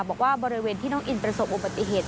บอกว่าบริเวณที่น้องอินประสบอุบัติเหตุ